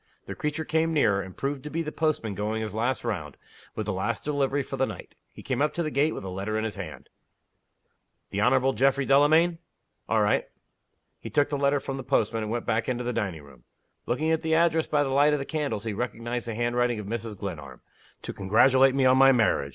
The creature came nearer, and proved to be the postman going his last round, with the last delivery for the night. He came up to the gate with a letter in his hand. "The Honorable Geoffrey Delamayn?" "All right." He took the letter from the postman, and went back into the dining room. Looking at the address by the light of the candles, he recognized the handwriting of Mrs. Glenarm. "To congratulate me on my marriage!"